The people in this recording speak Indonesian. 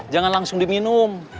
jangan langsung diminum